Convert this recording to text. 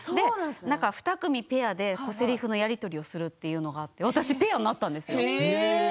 ２人で映画でせりふのやり取りをするというのがあってペアになったんですよ。